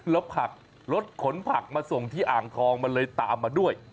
แล้วผักรถขนผักมาส่งที่อ่างทองมันเลยตามมาด้วย